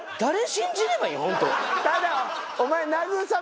ただお前。